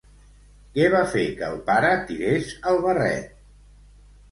Què va fer que el pare tirés el barret?